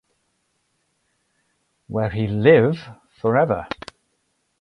Where he live forever.